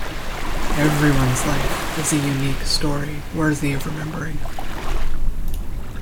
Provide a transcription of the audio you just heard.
Everyone's life is a unique story worthy of remembering.